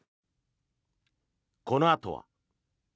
このあとは。